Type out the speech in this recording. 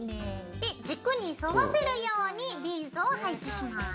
で軸に沿わせるようにビーズを配置します。